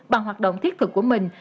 bằng hoạt động thiết thực của mình